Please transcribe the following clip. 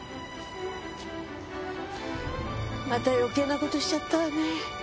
また余計な事しちゃったわね。